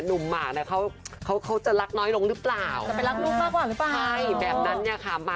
หนุ่มหมาเนี่ยเขาจะรักน้อยลงหรือเปล่า